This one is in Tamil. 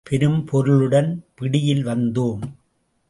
பெரும் பொருளுடன் பிடியில் வந்தோம்.